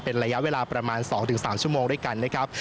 เป็นระยะเวลาประมาณ๒๓ชั่วโมงด้วยกันนะครับ